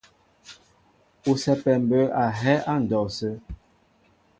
Ú sɛ́pɛ mbə̌ a hɛ́ á ndɔw sə́.